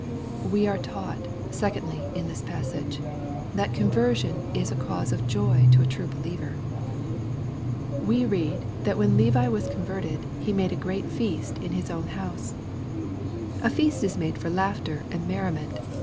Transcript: We are taught, secondly, in this passage, that conversion is a cause of joy to a true believer. We read, that when Levi was converted, he made a " great feast in his own house." A feast is made for laughter and merriment.